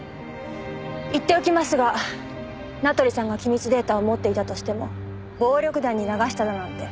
言っておきますが名取さんが機密データを持っていたとしても暴力団に流しただなんて